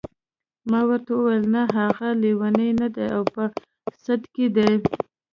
ما ورته وویل نه هغه لیونی نه دی او په سد کې دی.